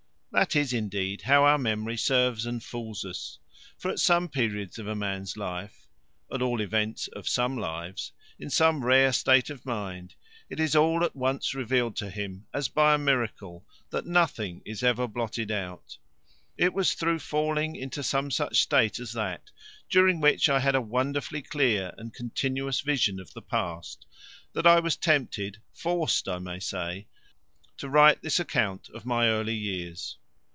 That is indeed how our memory serves and fools us; for at some period of a man's life at all events of some lives in some rare state of the mind, it is all at once revealed to him as by a miracle that nothing is ever blotted out. It was through falling into some such state as that, during which I had a wonderfully clear and continuous vision of the past, that I was tempted forced I may say to write this account of my early years.